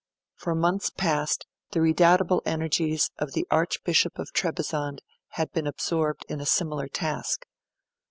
For months past, the redoubtable energies of the Archbishop of Trebizond had been absorbed in a similar task.